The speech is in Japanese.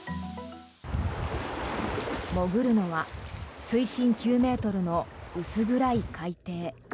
潜るのは水深９ｍの薄暗い海底。